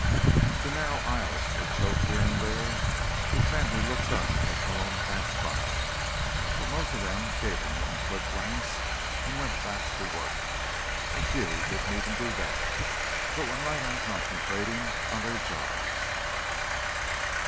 The narrow aisles were choked here and there with men who looked up as Malone passed by, but most of them gave him one quick glance and went back to work. A few didn't even do that, but went right on concentrating on their jobs.